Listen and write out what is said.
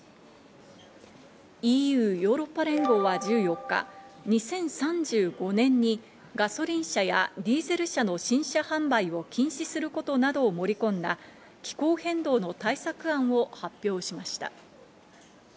ＥＵ＝ヨーロッパ連合は１４日、２０３５年にガソリン車やディーゼル車の新車販売を禁止することなどを盛り込んだ気候変動の対策案を発表しました。